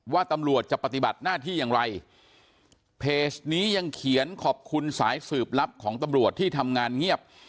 ว่าตำรวจจะปฏิบัติหน้าที่อย่างไรเพจนี้ยังเขียนขอบคุณสายสืบลับของตำรวจที่ทำงานเงียบ